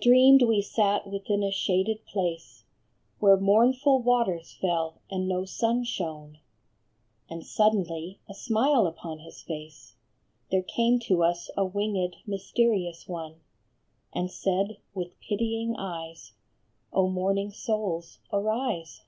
DREAMED we sat within a shaded place, Where mournful waters fell, and no sun shone ; And suddenly, a smile upon his face, There came to us a winged, mysterious one, And said, with pitying eyes :" O mourning souls, arise